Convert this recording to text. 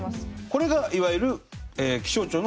これがいわゆる気象庁のレーダー？